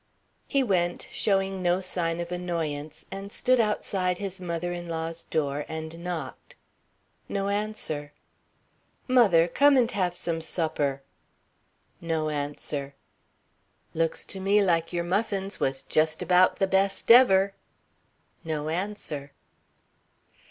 He went, showing no sign of annoyance, and stood outside his mother in law's door and knocked. No answer. "Mother, come and have some supper." No answer. "Looks to me like your muffins was just about the best ever." No answer.